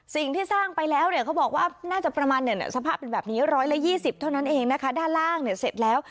สิ่งที่สร้างไปแล้วเนี่ยเขาบอกว่าน่าจะประมาณสภาพเป็นแบบนี้๑๒๐เท่านั้นเองนะคะด้านล่างเนี่ยเสร็จแล้ว